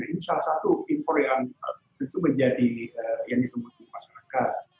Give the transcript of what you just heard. ini salah satu impor yang tentu menjadi yang ditemukan di masyarakat